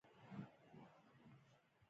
د کونړ په دانګام کې د څه شي نښې دي؟